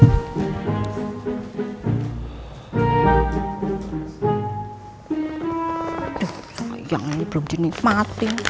aduh yang ini belum dinikmati